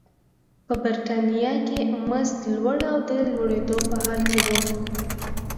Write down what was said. په برېټانیا کې مزد لوړ او د لوړېدو په حال کې و.